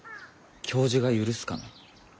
教授が許すかな？